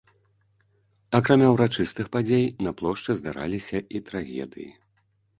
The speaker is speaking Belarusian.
Акрамя ўрачыстых падзей, на плошчы здараліся і трагедыі.